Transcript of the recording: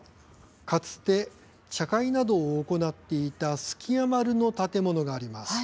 かつて茶会などを行っていた数寄屋丸の建物があります。